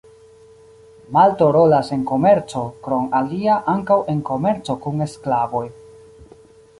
Malto rolas en komerco, krom alia ankaŭ en komerco kun sklavoj.